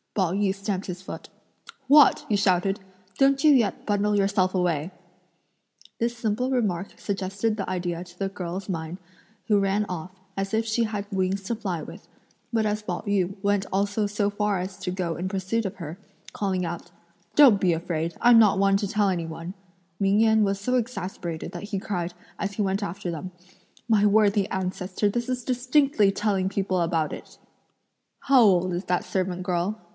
Pao yü stamped his foot. "What!" he shouted, "don't you yet bundle yourself away!" This simple remark suggested the idea to the girl's mind who ran off, as if she had wings to fly with; but as Pao yü went also so far as to go in pursuit of her, calling out: "Don't be afraid, I'm not one to tell anyone," Ming Yen was so exasperated that he cried, as he went after them, "My worthy ancestor, this is distinctly telling people about it." "How old is that servant girl?"